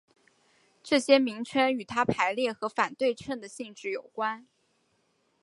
这些名称与它排列和反对称的性质有关。